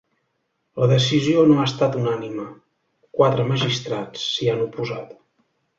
La decisió no ha estat unànime: quatre magistrats s’hi han oposat.